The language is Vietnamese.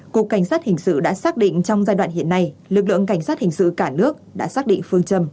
cục cảnh sát hình sự đã xác định trong giai đoạn hiện nay lực lượng cảnh sát hình sự cả nước đã xác định phương châm